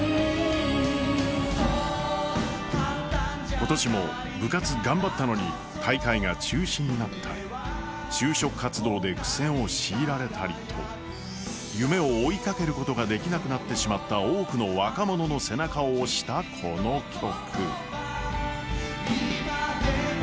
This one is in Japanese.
今年も部活頑張ったのに大会が中止になったり、就職活動で苦戦を強いられたりと夢を追いかけることができなくなった多くの若者の背中を押したこの曲。